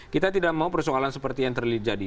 kita tidak mau persoalan seperti yang terjadi